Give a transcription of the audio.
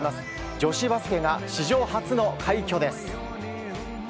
女子バスケが史上初の快挙です。